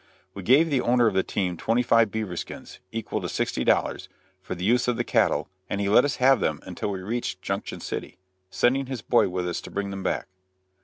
We gave the owner of the team twenty five beaver skins, equal to $60, for the use of the cattle, and he let us have them until we reached Junction City, sending his boy with us to bring them back.